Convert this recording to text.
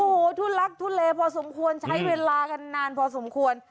โอ้โหทุลักทุเลพอสมควรใช้เวลากันนานพอสมควร